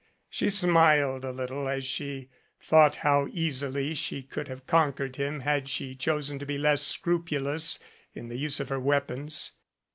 She smiled a little as she thought how easily she could have conquered him had she chosen to be less scrupulous in the use of her weapons.